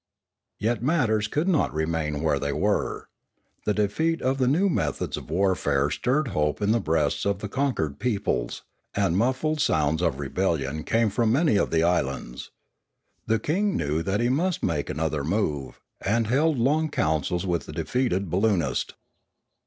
Yet matters could not remain where they were. The defeat of the new methods of warfare stirred hope in the breasts of the conquered peoples; and muffled sounds of rebellion came from many of the islands. The king knew that he must make some other move, and held long councils with the defeated balloonist.